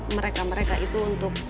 mereka mereka itu untuk